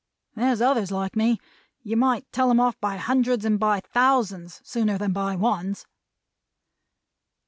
There's others like me. You might tell 'em off by hundreds and by thousands, sooner than by ones."